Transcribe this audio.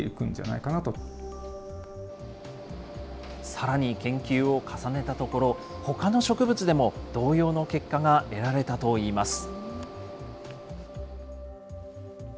さらに研究を重ねたところ、ほかの植物でも同様の結果が得られたといいます。